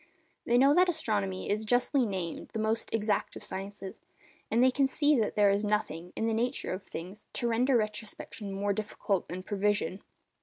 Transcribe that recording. They know that astronomy is justly named the most exact of the sciences, and they can see that there is nothing, in the nature of things, to render retrospection more difficult than prevision.